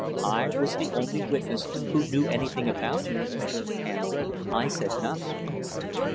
"I was the only witness who knew anything about her and I said nothing."